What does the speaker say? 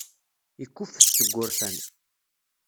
Yekkuffet seg wurfan.